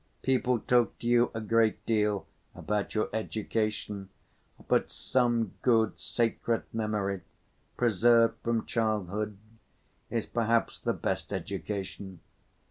People talk to you a great deal about your education, but some good, sacred memory, preserved from childhood, is perhaps the best education.